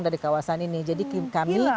dari kawasan ini jadi kami